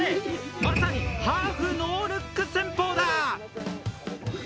まさにハーフノールック戦法だ！